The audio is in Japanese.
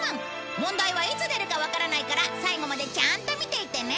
問題はいつ出るかわからないから最後までちゃんと見ていてね。